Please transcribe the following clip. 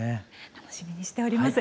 楽しみにしております。